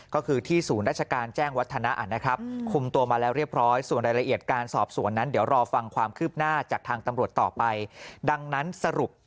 ก็คือที่ศูนย์ราชการแจ้งวัฒนาอัตนะครับ